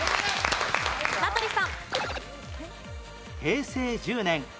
名取さん。